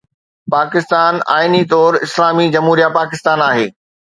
پاڪستان آئيني طور ’اسلامي جمهوريه پاڪستان‘ آهي.